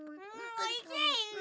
おいしい！